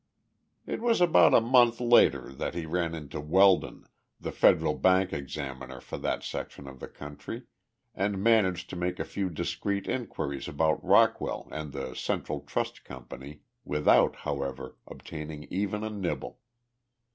It was about a month later that he ran into Weldon, the Federal Bank Examiner for that section of the country, and managed to make a few discreet inquiries about Rockwell and the Central Trust Company without, however, obtaining even a nibble.